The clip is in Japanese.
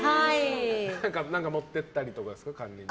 何か持ってったりとかですか？